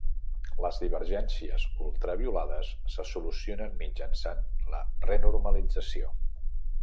Les divergències ultraviolades se solucionen mitjançant la renormalització.